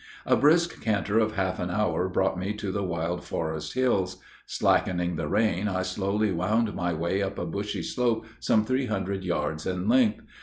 A brisk canter of half an hour brought me to the wild forest hills. Slackening the rein, I slowly wound my way up a brushy slope some three hundred yards in length.